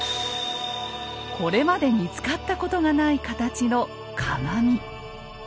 これまで見つかったことがない形の鏡。